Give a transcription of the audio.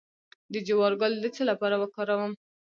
د جوار ګل د څه لپاره وکاروم؟